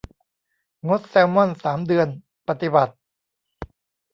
งดแซลมอนสามเดือน ปฏิบัติ